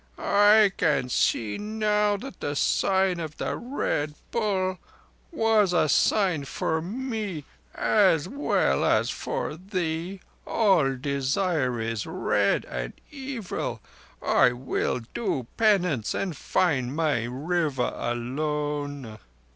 "I see now that the sign of the Red Bull was a sign for me as well as for thee. All Desire is red—and evil. I will do penance and find my River alone."